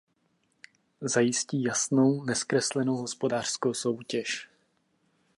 Zajistí jasnou, nezkreslenou hospodářskou soutěž.